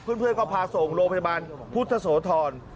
เพื่อนก็พาส่งโรงพยาบาลพุทธโสธร